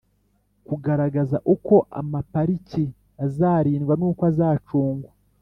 kugaragaza uko amapariki azarindwa n'uko azacungwa,